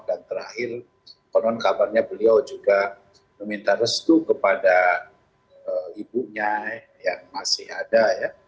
dan terakhir konon kabarnya beliau juga meminta restu kepada ibunya yang masih ada